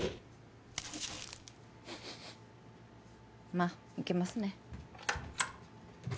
まぁ行けますね。